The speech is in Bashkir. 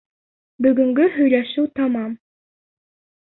Бөгөнгә һөйләшеү тамам.